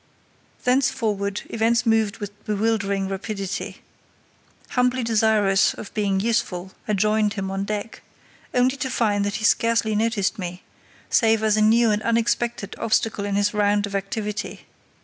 Thenceforward events moved with bewildering rapidity. Humbly desirous of being useful I joined him on deck, only to find that he scarcely noticed me, save as a new and unexpected obstacle in his round of activity.